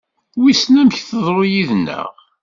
Wissen amek teḍru yid-neɣ?